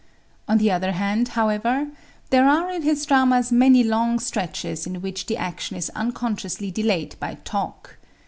On the other hand, however, there are in his dramas many long stretches in which the action is unconsciously delayed by talk.